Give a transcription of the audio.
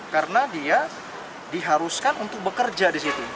karena dia diharuskan untuk bekerja di situ